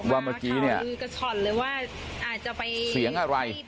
ว่าเมื่อกี้เนี่ยเสียงอะไร